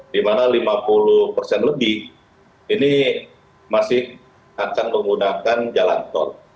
di mana lima puluh persen lebih ini masih akan menggunakan jalan tol